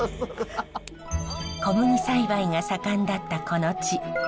小麦栽培が盛んだったこの地。